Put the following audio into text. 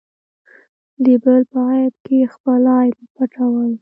د بل په عیب کې خپل عیب پټول.